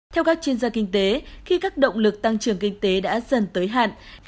theo các chuyên gia kinh tế khi các động lực tăng trưởng kinh tế đã dần tới hạn